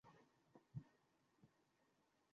আমার কিছু করার ছিল না।